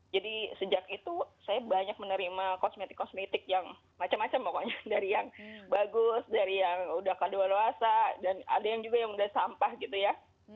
jadi sejak itu saya banyak menerima kosmetik kosmetik yang macam macam pokoknya dari yang bagus dari yang udah kadaluasa dan ada yang juga yang udah sampah gitu ya